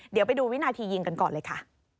เดี๋ยวไปดูวินาทียิงกันก่อนเลยค่ะ